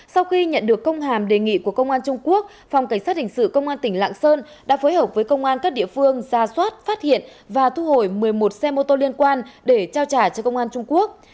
sau khi nhận được công hàm đề nghị của công an trung quốc phòng cảnh sát hình sự công an tỉnh lạng sơn đã phối hợp với công an các địa phương ra soát phát hiện và thu hồi một mươi một xe mô tô liên quan để trao trả cho công an trung quốc